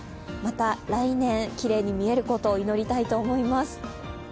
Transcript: また来年、きれいに見えることを祈りたいと思います。